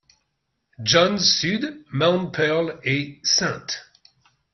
John's-Sud—Mount Pearl et St.